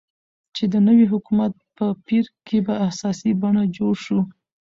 چې د نوي حكومت په پير كې په اساسي بڼه جوړ شو،